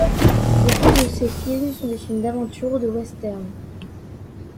Beaucoup de ses films sont des films d'aventure ou des westerns.